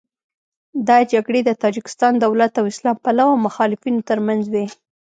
دا جګړې د تاجکستان دولت او اسلام پلوه مخالفینو تر منځ وې.